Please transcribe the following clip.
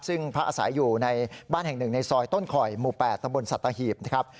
ซึ่งพระอาศัยอยู่ในบ้านแห่งหนึ่งในซอยต้นคอยหมู่๘ตำบลสัตหีบนะครับ